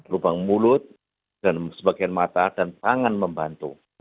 lubang mulut dan sebagian mata dan tangan membantu